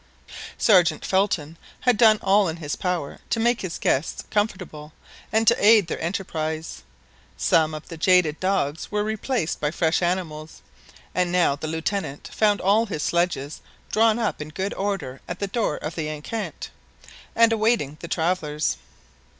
Sergeant Felton had done all in his power to make his guests comfortable and to aid their enterprise; some of the jaded dogs were replaced by fresh animals, and now the Lieutenant found all his sledges drawn up in good order at the door of the enceinte, and awaiting the travellers.